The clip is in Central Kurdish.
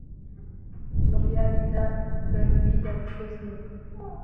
بڕیاری دا کە بیداتە دەست من